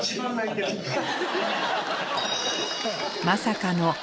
まさかの